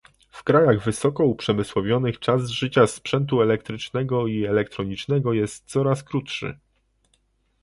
W krajach wysoko uprzemysłowionych czas życia sprzętu elektrycznego i elektronicznego jest coraz krótszy